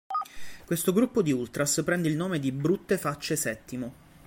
Questo gruppo di ultras prende il nome di: “Brutte Facce Settimo".